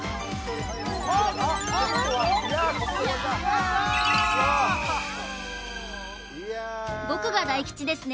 よーい僕が大吉ですね